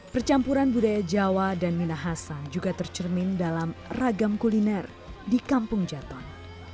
percampuran budaya jawa dan minahasa juga tercermin dalam ragam kuliner di kampung jaton